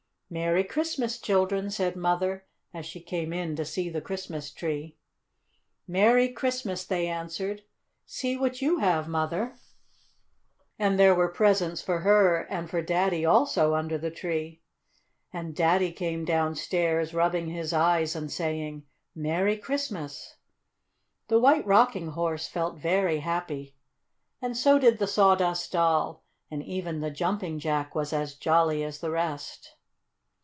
"Merry Christmas, children!" said Mother, as she came in to see the Christmas tree. "Merry Christmas!" they answered. "See what you have, Mother!" And there were presents for her and for Daddy also, under the tree. And Daddy came downstairs, rubbing his eyes and saying: "Merry Christmas!" The White Rocking Horse felt very happy and so did the Sawdust Doll, and even the Jumping Jack was as jolly as the rest.